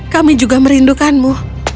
kami juga merindukanmu